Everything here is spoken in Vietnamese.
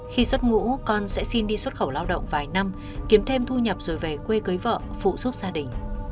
khi xuất ngũ con sẽ xin đi xuất khẩu lao động vài năm kiếm thêm thu nhập rồi về quê cới vợ phụ giúp gia đình